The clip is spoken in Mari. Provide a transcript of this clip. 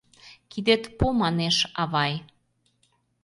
Кидет пу манеш, авай.